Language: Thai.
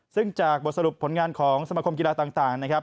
ซึ่งจากบทสรุปผลงานของสมคมกีฬาต่างนะครับ